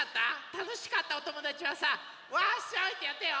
たのしかったおともだちはさ「ワッショイ」ってやってよ！